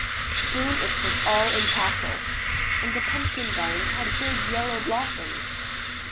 Soon it was all in tassel, and the pumpkin vines had big yellow blossoms.